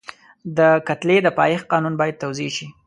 د کتلې د پایښت قانون باید توضیح شي.